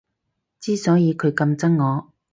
之所以佢咁憎我